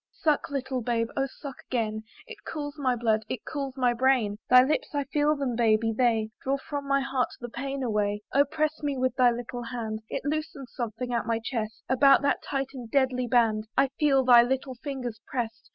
Suck, little babe, oh suck again! It cools my blood; it cools my brain; Thy lips I feel them, baby! they Draw from my heart the pain away. Oh! press me with thy little hand; It loosens something at my chest; About that tight and deadly band I feel thy little fingers press'd.